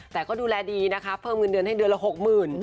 แต่ก็ดูแลดีนะคะเพิ่มเงินเดือนให้เดือนละ๖๐๐๐บาท